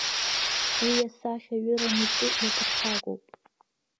Уи асахьаҩыра митәы иаԥырхагоуп.